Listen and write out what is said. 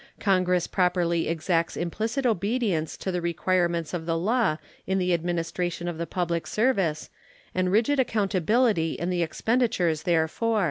Congress properly exacts implicit obedience to the requirements of the law in the administration of the public service and rigid accountability in the expenditures therefor.